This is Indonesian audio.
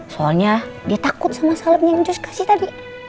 soalnya dia takut sama salepnya yang josh kasih tadi